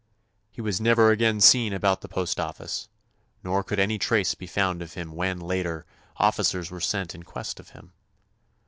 He was never again seen about the postoffice, nor could any trace be found of him when, later, officers were sent in quest of him.